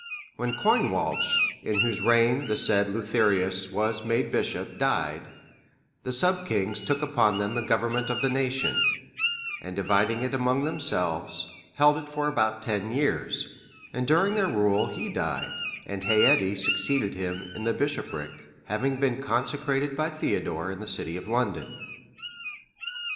(591) When Coinwalch,(592) in whose reign the said Leutherius was made bishop, died, the sub kings took upon them the government of the nation, and dividing it among themselves, held it for about ten years; and during their rule he died, and Haedde(593) succeeded him in the bishopric, having been consecrated by Theodore, in the city of London.